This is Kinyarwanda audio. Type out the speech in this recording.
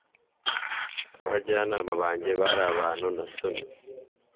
Abajyanama banjye bari abantu nasomye